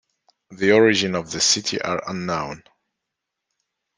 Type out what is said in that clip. The origins of the city are unknown.